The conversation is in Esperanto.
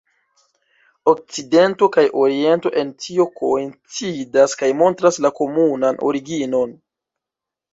Okcidento kaj Oriento en tio koincidas kaj montras la komunan originon.